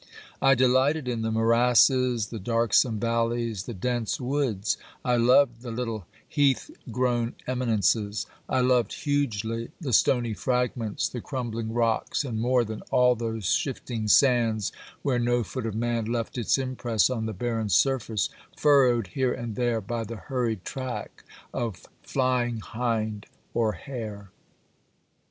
I delighted in the morasses, the darksome valleys, the dense woods ; I loved the little heath grown eminences ; I loved hugely the stony fragments, the crumbling rocks and more than all those shifting sands where no foot of man left its impress on the barren surface, furrowed here and there by the hurried track of flying hind or hare.